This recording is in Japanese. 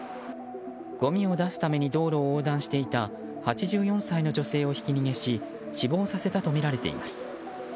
ごみを出すために道路を横断していた８４歳の女性をひき逃げし死亡させたとみられています。